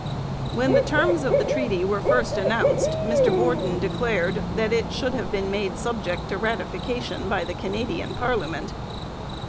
When the terms of the treaty were first announced Mr Borden declared that it should have been made subject to ratification by the Canadian parliament.